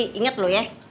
tapi inget loh ya